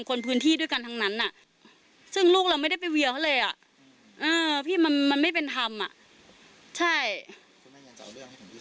คุณแม่งยังจะเอาเรื่องให้ถึงที่สุดไหม